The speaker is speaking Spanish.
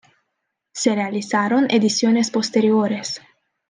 Se realizaron ediciones posteriores.